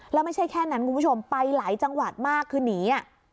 แล้วไม่ใช่แค่นั้นคุณผู้ชมไปหลายจังหวัดมากคือหนี